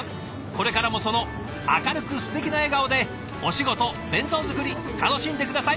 これからもその明るくすてきな笑顔でお仕事弁当作り楽しんで下さい！